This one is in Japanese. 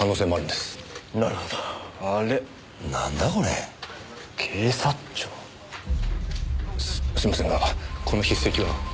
すすみませんがこの筆跡は？